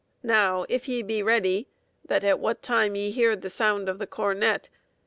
. Now if ye be ready that at what time ye hear the sound of the cornet .